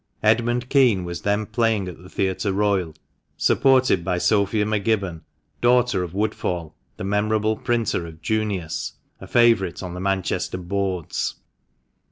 Edmund Kean was then playing at the Theatre Royal, supported by Sophia M'Gibbon — daughter of Woodfall, the memorable printer of "Junius" — a favourite on the Manchester "boards."